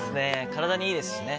体にいいですしね。